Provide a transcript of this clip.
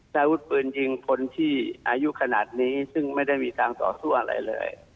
อาวุธปืนยิงคนที่อายุขนาดนี้ซึ่งไม่ได้มีทางต่อสู้อะไรเลย